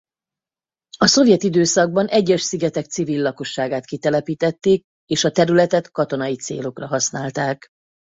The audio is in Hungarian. A szovjet időszakban egyes szigetek civil lakosságát kitelepítették és a területet katonai célokra használták.